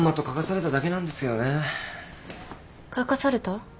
書かされた？